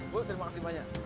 bu terima kasih banyak